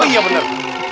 oh iya bener